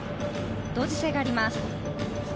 同時性があります。